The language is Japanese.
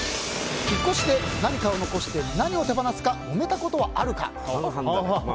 引っ越しで何を残して何を手放すか家族とモメたことはあるか？